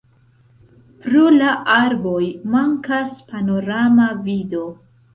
Pro la arboj mankas panorama vido.